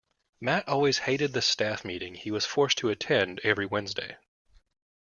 Matt always hated the staff meeting he was forced to attend every Wednesday